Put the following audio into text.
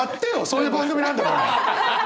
そういう番組なんだから。